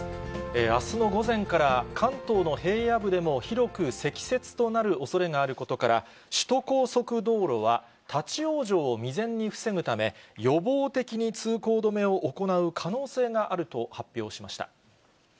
あすの午前から、関東の平野部でも広く積雪となるおそれがあることから、首都高速道路は、立往生を未然に防ぐため、予防的に通行止めを行う可能性があると発表しました。